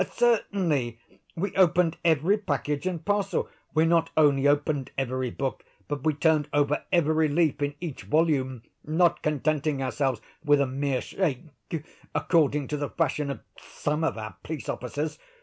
"Certainly; we opened every package and parcel; we not only opened every book, but we turned over every leaf in each volume, not contenting ourselves with a mere shake, according to the fashion of some of our police officers.